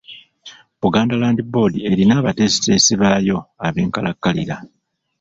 Buganda Land Board erina abateesiteesi baayo ab'enkalakkalira.